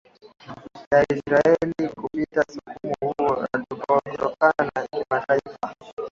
a ya israel kupata msukumo huo kutoka katika jamii ya kimataifa